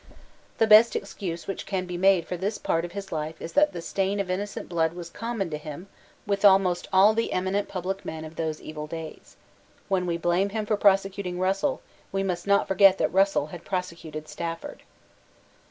The best excuse which can be made for this part of his life is that the stain of innocent blood was common to him with almost all the eminent public men of those evil days. When we blame him for prosecuting Russell, we must not forget that Russell had prosecuted Stafford.